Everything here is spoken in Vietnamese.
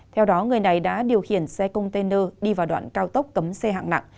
theo đó người này đã điều khiển xe container đi vào đoạn cao tốc cấm xe hạng nặng